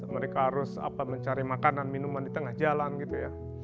mereka harus mencari makanan minuman di tengah jalan gitu ya